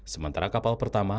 sementara kapal pertama